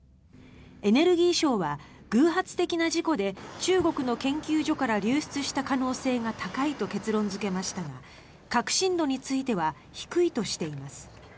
エネルギー省は偶発的な事故で中国の研究所から流出した可能性が高いと結論付けましたが確信度については低いとしています。